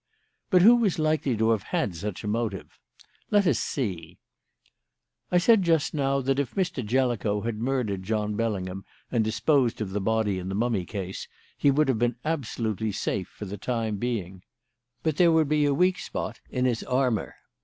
"But who was likely to have had such a motive? Let us see. "I said just now that if Mr. Jellicoe had murdered John Bellingham and disposed of the body in the mummy case, he would have been absolutely safe for the time being. But there would be a weak spot in his armour.